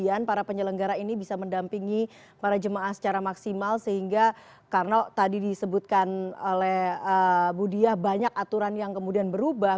kemudian para penyelenggara ini bisa mendampingi para jemaah secara maksimal sehingga karena tadi disebutkan oleh bu diah banyak aturan yang kemudian berubah